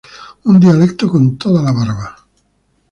Un dialecto con toda la barba".